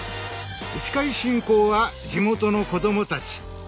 司会進行は地元の子どもたち。